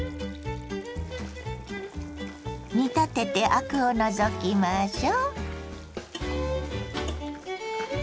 煮立ててアクを除きましょ。